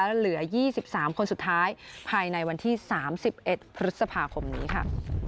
และเหลือ๒๓คนสุดท้ายภายในวันที่๓๑พฤษภาคมนี้ค่ะ